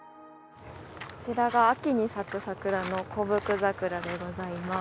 こちらが秋に咲くサクラのコブクザクラでございます。